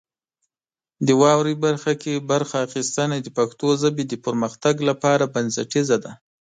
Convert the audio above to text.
د واورئ برخه کې برخه اخیستنه د پښتو ژبې د پرمختګ لپاره بنسټیزه ده.